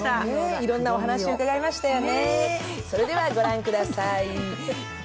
いろんなお話を伺いましたよね。